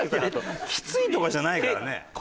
きついとかじゃないからね。